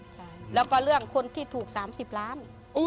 ใช่แล้วก็เรื่องคนที่ถูก๓๐ล้าน